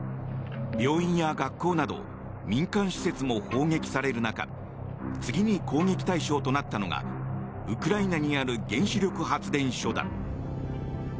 病院や学校など民間施設も砲撃される中次に攻撃対象となったのがウクライナにある原子力発電所だ。